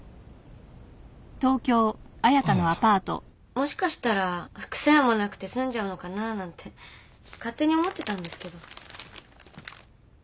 もしかしたら副作用もなくて済んじゃうのかなあなんて勝手に思ってたんですけど。